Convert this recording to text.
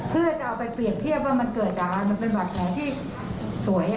เพื่อจะเอาไปเปรียบเทียบว่ามันเกิดจากอะไรมันเป็นบาดแผลที่สวย